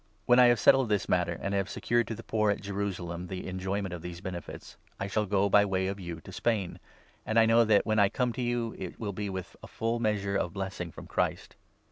When 28 I have settled this matter, and have secured to the poor at Jerusalem the enjoyment of these benefits, I shall go, by way of you, to Spain. And I know that, when I come to you, it 29 will be with a full measure of blessing from Christ.